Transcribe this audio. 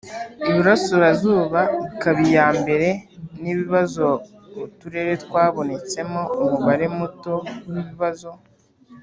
Iburasirazuba ikaba iya mbere n ibibazo Uturere twabonetsemo umubare muto w ibibazo